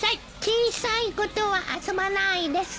小さい子とは遊ばないです。